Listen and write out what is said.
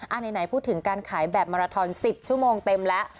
ไหนพูดถึงการขายแบบมาราทอน๑๐ชั่วโมงเต็มแล้ว